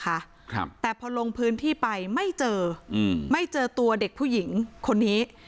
ครับแต่พอลงพื้นที่ไปไม่เจออืมไม่เจอตัวเด็กผู้หญิงคนนี้